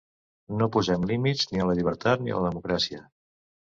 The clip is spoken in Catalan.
No posem límits ni a la llibertat ni a la democràcia.